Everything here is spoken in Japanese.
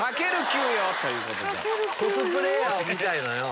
コスプレーヤーを見たいのよ。